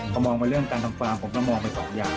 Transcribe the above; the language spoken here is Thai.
พอมองไปเรื่องการทำฟาร์มผมก็มองไปสองอย่าง